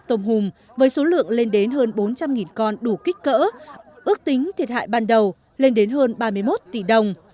tôm hùm với số lượng lên đến hơn bốn trăm linh con đủ kích cỡ ước tính thiệt hại ban đầu lên đến hơn ba mươi một tỷ đồng